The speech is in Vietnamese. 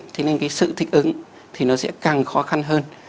thế nên cái sự thích ứng thì nó sẽ càng khó khăn hơn